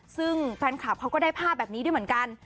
ซึ่งแฟนคลับเขาก็ได้ภาพแบบนี้ด้วยเหมือนกัน